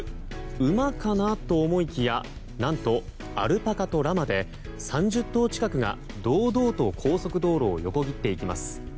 馬かなと思いきや何と、アルパカとラマで３０頭近くが堂々と高速道路を横切っていきます。